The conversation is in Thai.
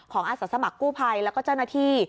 ของอาศักดิ์สมัครกู้ภัยและเจ้าหน้าที่